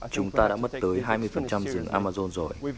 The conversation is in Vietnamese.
chúng ta đã mất tới hai mươi rừng amazon rồi